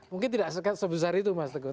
mungkin tidak sebesar itu mas teguh